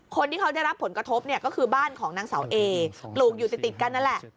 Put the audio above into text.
คนที่เขาได้รับผลกระทบเนี่ยก็คือบ้านของนางเสาเอปลูกอยู่ติดกันนั่นแหละ